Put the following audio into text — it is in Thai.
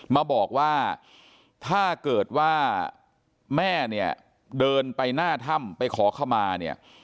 มาบอกว่าถ้าเกิดว่าแม่เนี่ยเดินไปหน้าถ้ำไปขอเข้ามาเนี่ย